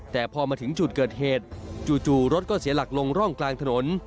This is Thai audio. แต่พอมาถึงจุดเกิดเหตุจู่รถก็เสียหลักลงร่องกลางถนน